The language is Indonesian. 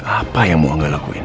apa yang mau engel akuin